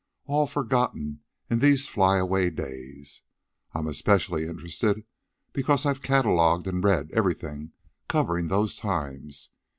all forgotten in these fly away days. I am especially interested, because I've catalogued and read everything covering those times.